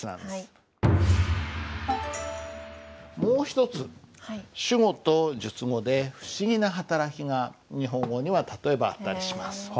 もう一つ主語と述語で不思議な働きが日本語には例えばあったりします。